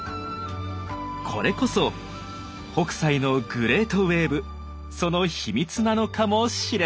これこそ北斎の「グレートウエーブ」その秘密なのかもしれません。